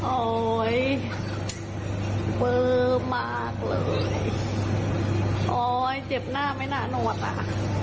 โอ๊ยเบอร์มากเลยโอ๊ยเจ็บหน้าไม่น่าหนวดอ่ะค่ะ